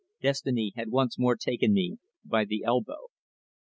Destiny had once more taken me by the elbow.